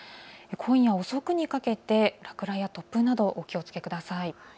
今夜遅くにかけて落雷や突風などお気をつけください。